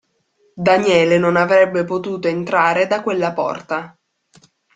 Daniele non avrebbe potuto entrare da quella porta.